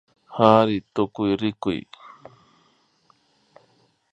Kari tukuyrikuy